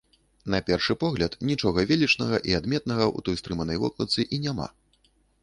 На першы погляд нічога велічнага і адметнага ў той стрыманай вокладцы і няма.